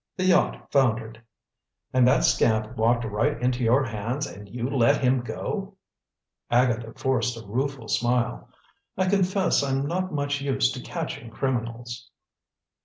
"The yacht foundered." "And that scamp walked right into your hands and you let him go?" Agatha forced a rueful smile. "I confess I'm not much used to catching criminals." Mr.